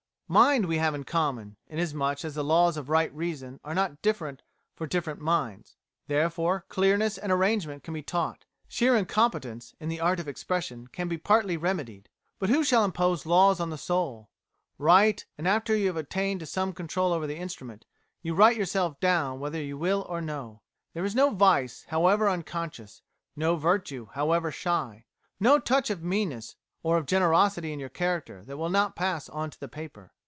Mind we have in common, inasmuch as the laws of right reason are not different for different minds. Therefore clearness and arrangement can be taught, sheer incompetence in the art of expression can be partly remedied. But who shall impose laws on the soul? ... Write, and after you have attained to some control over the instrument, you write yourself down whether you will or no. There is no vice, however unconscious, no virtue, however shy, no touch of meanness or of generosity in your character that will not pass on to paper."